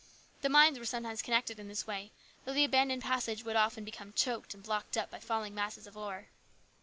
The mines were sometimes connected in this way, though the abandoned passage would often become choked and blocked up by falling masses of ore.